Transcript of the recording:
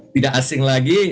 tidak asing lagi